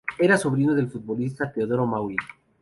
Era sobrino del futbolista Teodoro Mauri.